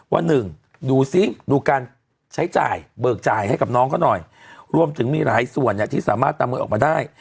ว่าหนึ่งดูซิดูการใช้จ่ายเบิกจ่ายให้กับน้องเขาหน่อยรวมถึงมีหลายส่วนเนี่ยที่สามารถตามมือออกมาได้